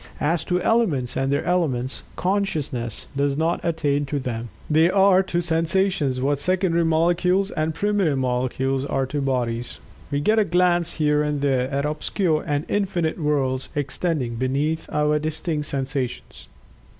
As to elements, and their elements, consciousness does not attain to them. They are to sensations what secondary molecules and primitive molecules are to bodies. We get a glance here and there at obscure and infinite worlds extending beneath our distinct sensations.